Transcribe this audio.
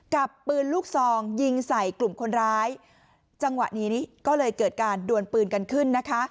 กับปืนลูกซองยิงใส่กลุ่มคนร้ายจังหวะนี้ก็เลยเกิดการดวนปืนกันขึ้นนะคะ